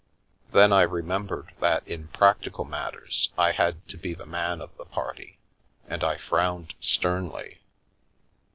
Then I remembered that in practical matters I had to be the man of the party, and I frowned sternly.